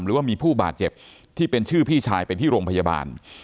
หรือว่ามีผู้บาดเจ็บที่เป็นชื่อพี่ชายเป็นที่โรงพยาบาล